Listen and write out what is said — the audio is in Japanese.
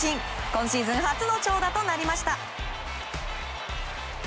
今シーズン初の長打となりました。